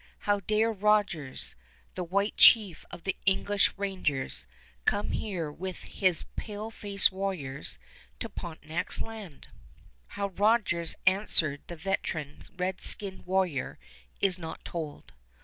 How dare Rogers, the white chief of the English rangers, come here with his pale faced warriors to Pontiac's land? How Rogers answered the veteran red skinned warrior is not told.